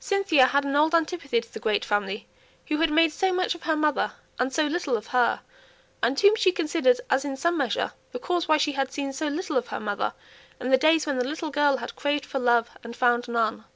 Cynthia had an old antipathy to the great family who had made so much of her mother and so little of her; and whom she considered as in some measure the cause why she had seen so little of her mother in the days when the little girl had craved for love and found none.